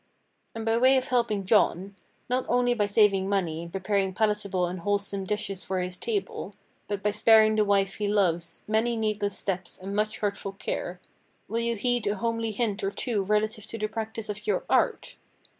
And by way of helping John, not only by saving money and preparing palatable and wholesome dishes for his table, but by sparing the wife he loves many needless steps and much hurtful care, will you heed a homely hint or two relative to the practice of your art?